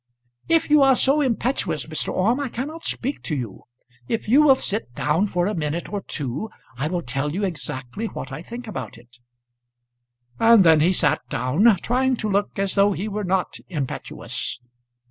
"If you are so impetuous, Mr. Orme, I cannot speak to you. If you will sit down for a minute or two I will tell you exactly what I think about it." And then he sat down, trying to look as though he were not impetuous.